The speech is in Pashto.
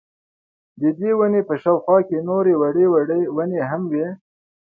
ددې وني په شاوخوا کي نوري وړې وړې وني هم وې